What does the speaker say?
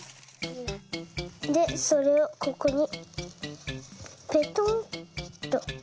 でそれをここにペトッと。